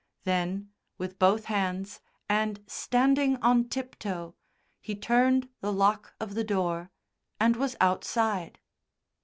Then with both hands, and standing on tiptoe, he turned the lock of the door, and was outside.